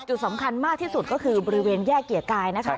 จุดสำคัญมากที่สุดก็คือบริเวณแยกเกียรติกายนะคะ